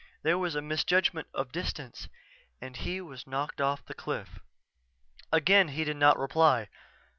There was a misjudgment of distance and he was knocked off the cliff._" Again he did not reply.